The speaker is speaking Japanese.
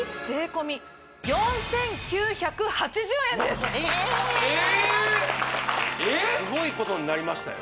すごいことになりましたよ